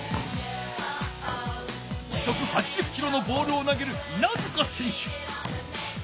時そく８０キロのボールをなげる稲塚選手。